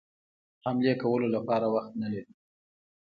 حملې کولو لپاره وخت نه لري.